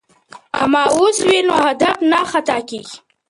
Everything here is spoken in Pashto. که ماوس وي نو هدف نه خطا کیږي.